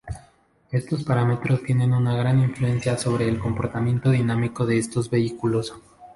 Estos parámetros tienen una gran influencia sobre el comportamiento dinámico de estos vehículos.